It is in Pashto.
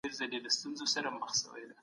تېره سل کلنه دوره تر ټولو مهمه وه.